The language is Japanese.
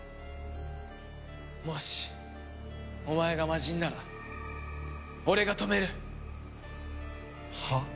もしお前が魔人なら俺が止める！はあ？